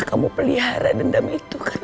karena tidak dalam waktu bergoda